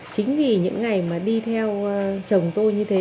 chính vì những ngày mà đi theo chồng tôi như thế